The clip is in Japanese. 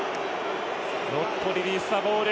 ノットリリースザボール。